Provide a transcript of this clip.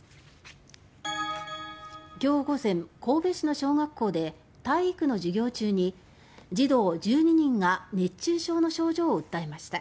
今日午前、神戸市の小学校で体育の授業中に児童１２人が熱中症の症状を訴えました。